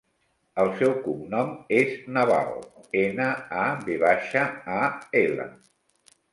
El seu cognom és Naval: ena, a, ve baixa, a, ela.